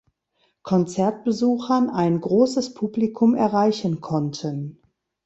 Konzertbesuchern ein großes Publikum erreichen konnten.